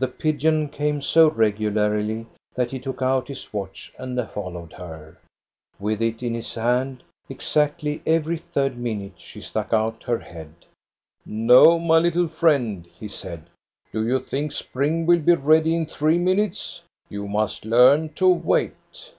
The pigeon came so regularly that he took out his watch and followed her, with it in his hand. Exactly every third minute she stuck out her head. No, my little friend," he said, "do you think spring will be ready in three minutes? You must learn to wait."